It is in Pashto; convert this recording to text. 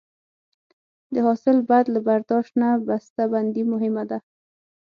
د حاصل بعد له برداشت نه بسته بندي مهمه ده.